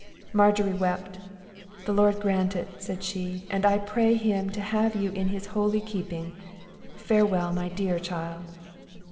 Margery wept. "The Lord grant it!" said she; "and I pray him to have you in his holy keeping. Farewell, my dear child!"